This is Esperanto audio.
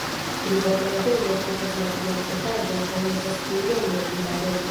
Privata loĝejo okupas la trian etaĝon kaj estas kuirejo en la kelo.